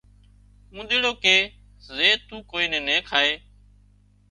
اونۮيڙو ڪي زي تون ڪوئي نين نين کائي